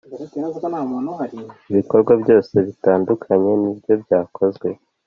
ibikorwa byose bitandukanye nibyo byakozwe